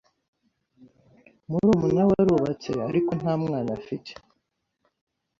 Murumuna we arubatse, ariko nta mwana afite.